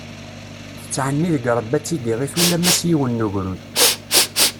Tettɛenni deg Rebbi ad tt-i-iɣit ulamma s yiwen n ugrud.